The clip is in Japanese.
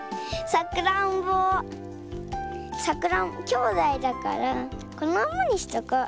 さくらんぼきょうだいだからこのままにしておこう。